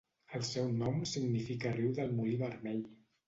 El seu nom significa riu del molí vermell.